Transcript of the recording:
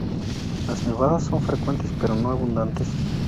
Las nevadas son frecuentes pero no abundantes.